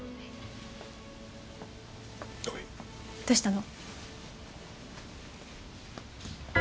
どうしたの？